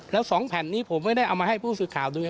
แล้ว๒แผ่นนี้ผมไม่ได้เอามาให้ผู้สื่อข่าวดู